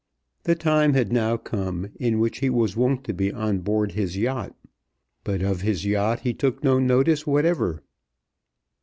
The time had now come in which he was wont to be on board his yacht, but of his yacht he took no notice whatever.